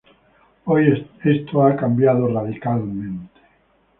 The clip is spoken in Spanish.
Hoy esto ha cambiado radicalmente.